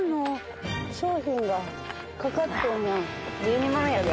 １２万やで。